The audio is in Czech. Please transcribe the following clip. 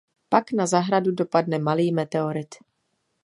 Pak na zahradu dopadne malý meteorit.